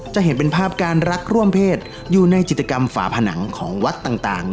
จะเห็นเป็นภาพการรักร่วมเพศอยู่ในจิตกรรมฝาผนังของวัดต่าง